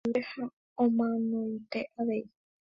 Ho'a yvýpe ha omanónte avei.